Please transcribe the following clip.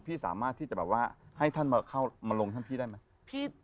พี่สามารถที่จะแบบว่าให้ท่านเข้ามาลงท่านพี่ได้ไหม